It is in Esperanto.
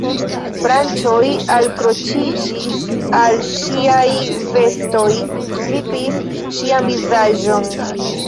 Branĉoj alkroĉiĝis al ŝiaj vestoj, vipis ŝian vizaĝon.